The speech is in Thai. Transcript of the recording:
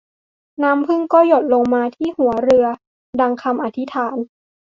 น้ำผึ้งก็หยดลงมาที่หัวเรือดังคำอธิษฐาน